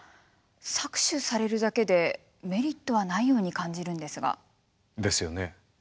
搾取されるだけでメリットはないように感じるんですが。ですよね。